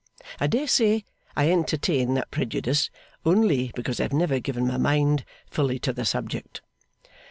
I dare say I entertain that prejudice, only because I have never given my mind fully to the subject.